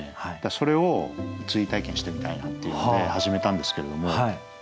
それを追体験してみたいなっていうので始めたんですけれども。